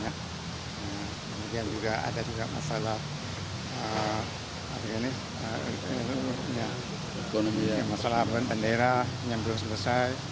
kemudian juga ada juga masalah organisasi masalah pendera yang belum selesai